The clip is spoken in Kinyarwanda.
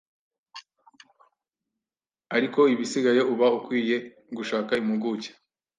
ariko ibisigaye uba ukwiye gushaka impuguke